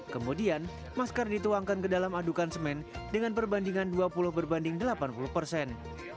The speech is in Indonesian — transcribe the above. kemudian masker dituangkan ke dalam adukan semen dengan perbandingan dua puluh berbanding delapan puluh persen